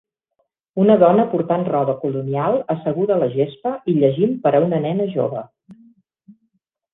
Un dona portant roba colonial asseguda a la gespa i llegint per a una nena jove.